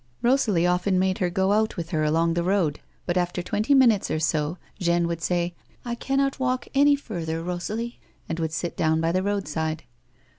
Rosalie often made her go out with her along the road, but after twenty minutes or so Jeanne would say ;" I cannot walk any farther, Rosalie," and would sit down by the road side.